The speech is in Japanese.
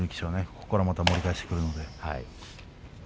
ここからまた盛り返してくるので。